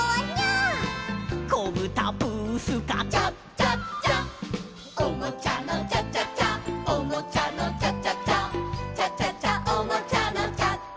「こぶたブースカ」「チャチャチャ」「おもちゃのチャチャチャおもちゃのチャチャチャ」「チャチャチャおもちゃのチャチャチャ」